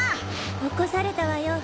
起こされたわよ